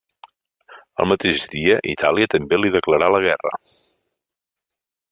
El mateix dia Itàlia també li declarà la guerra.